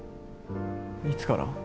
いつから？